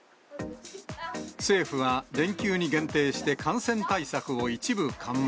政府は連休に限定して感染対策を一部緩和。